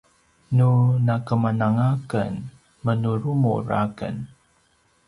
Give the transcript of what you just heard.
nu nakemananga aken menurumur aken